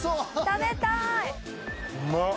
食べたい。